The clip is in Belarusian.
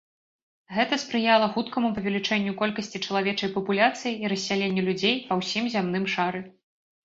Гэта спрыяла хуткаму павелічэнню колькасці чалавечай папуляцыі і рассяленню людзей па ўсім зямным шары.